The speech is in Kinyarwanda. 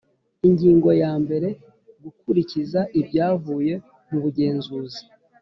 Ingingo ya mbere Gukurikiza ibyavuye mu bugenzuzi